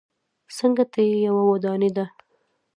څنګ ته یې یوه ودانۍ ده.